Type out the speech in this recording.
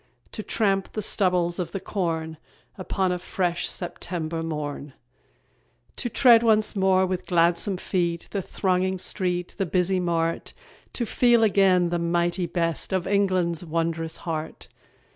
To tramp the stubbles of the corn Upon a fresh September morn; To tread once more with gladsome feet The thronging street, the busy mart; To feel again the mighty beat Of England's wondrous heart!